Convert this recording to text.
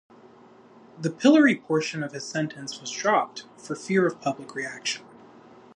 The pillory portion of his sentence was dropped, for fear of public reaction.